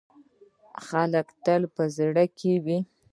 اتل د خلکو په زړه کې وي؟